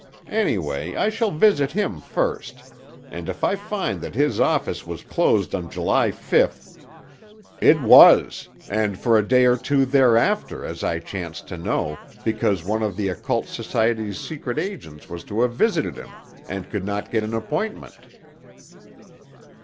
Anyway, I shall visit him first, and, if I find that his office was closed on July fifth—" "It was, and for a day or two thereafter as I chance to know, because one of the occult society's secret agents was to have visited him, and could not get an appointment."